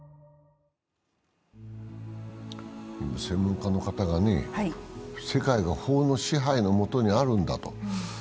専門家の方が、世界は法の支配の下にあるんだと。